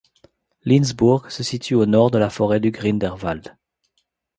Linsburg se situe au nord de la forêt du Grinderwald.